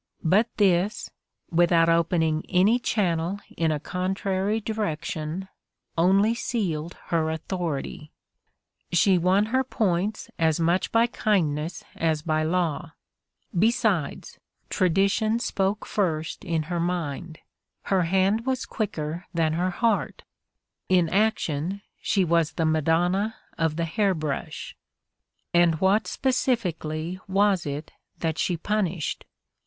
But this, without opening any channel in a con trary direction, only sealed her authority ! She won her points as much by kindness as by law. Besides, tradition spoke first in her mind ; her hand was quicker than her heart ; in action she was the madonna of the hairbrush. And what, specifically, was it that she punished?